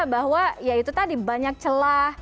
bahwa ya itu tadi banyak celah